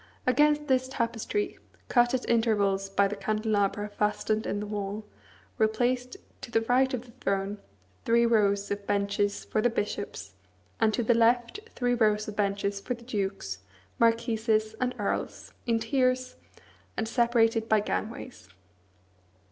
Against this tapestry, cut at intervals by the candelabra fastened in the wall, were placed, to the right of the throne, three rows of benches for the bishops, and to the left three rows of benches for the dukes, marquises, and earls, in tiers, and separated by gangways.